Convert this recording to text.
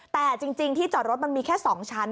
แต่จริงที่จอดรถมันมีแค่๒ชั้น